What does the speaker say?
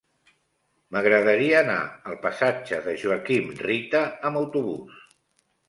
M'agradaria anar al passatge de Joaquim Rita amb autobús.